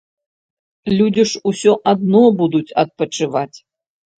Людзі ж усё адно будуць адпачываць.